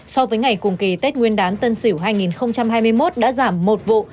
so với ngày cùng kỳ tết nguyên đán tân sỉu hai nghìn hai mươi một đã giảm một vụ